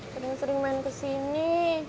sering sering main ke sini